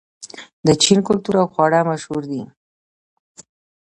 د چین کلتور او خواړه مشهور دي.